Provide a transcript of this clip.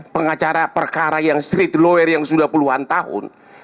pengacara perkara yang street lawyer yang sudah puluhan tahun